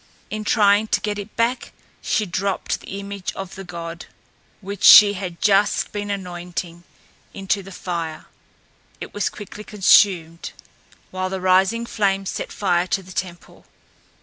In trying to get it back she dropped the image of the god, which she had just been anointing, into the fire. It was quickly consumed, while the rising flames set fire to the temple.